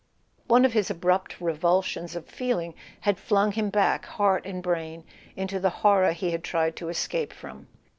One of his abrupt revulsions of feeling had flung him back, heart and brain, into the horror he had tried to escape from.